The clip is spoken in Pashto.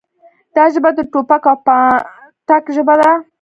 دا ژبه د ټوپک او پاټک ژبه ده.